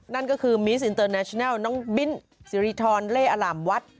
นั่นก็คือมีสอินเตอร์แนชินัลน้องบิ้นสิริธรเล่อล่ามวัด